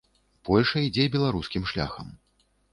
Польшча ідзе беларускім шляхам.